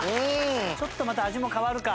ちょっとまた味も変わるか。